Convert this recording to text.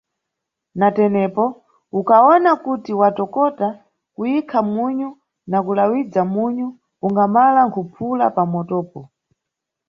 Natepo, usawona kuti wa tokokota, kuyikha munyu na kulayidza munyu ungamala nkuphula pa motopo.